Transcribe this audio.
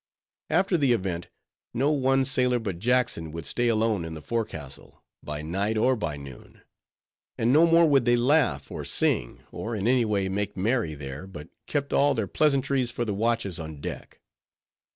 After the event, no one sailor but Jackson would stay alone in the forecastle, by night or by noon; and no more would they laugh or sing, or in any way make merry there, but kept all their pleasantries for the watches on deck.